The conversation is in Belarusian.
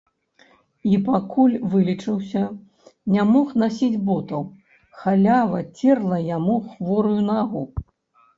І пакуль вылечыўся, не мог насіць ботаў, халява церла яму хворую нагу.